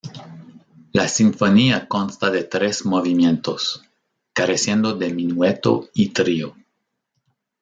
La sinfonía consta de tres movimientos, careciendo de minueto y trio.